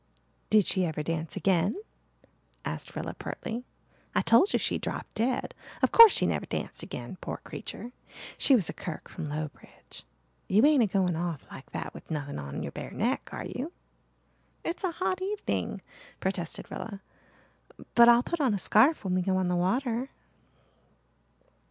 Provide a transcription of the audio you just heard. "Did she ever dance again?" asked Rilla pertly. "I told you she dropped dead. Of course she never danced again, poor creature. She was a Kirke from Lowbridge. You ain't a going off like that with nothing on your bare neck, are you?" "It's a hot evening," protested Rilla. "But I'll put on a scarf when we go on the water."